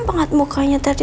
pengat mukanya tadi